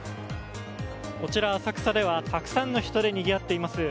こちら、浅草ではたくさんの人でにぎわっています。